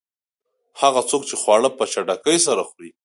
هغه څوک چې خواړه په چټکۍ سره خوري.